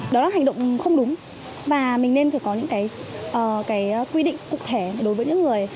đó là hành động không đúng và mình nên phải có những cái quy định cụ thể đối với những người